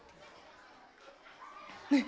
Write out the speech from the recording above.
ねえ。